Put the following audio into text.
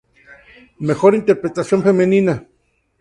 Mejor Interpretación Femenina.